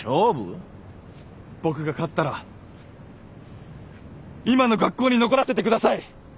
僕が勝ったら今の学校に残らせて下さい。